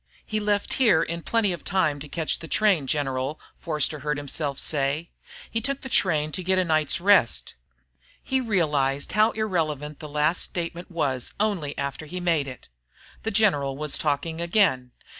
"He left here in plenty of time to catch the train, General," Forster heard himself say. "He took the train to get a night's rest." He realized how irrelevant the last statement was only after he had made it. The General was talking again